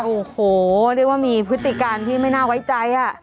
โอ้โหเรียกว่ามีพฤติการที่ไม่น่าไว้ใจ